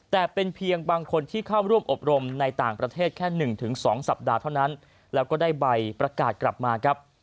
แต่เป็นเพียงบางคนที่เข้าร่วมอบรมในต่างประเทศแค่๑๒สัปดาห์เท่านั้นแล้วก็ได้ใบประกาศกลับมาครับ